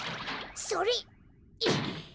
それ！